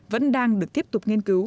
vẫn đang được tiếp tục nghiên cứu